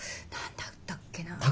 何だったっけな。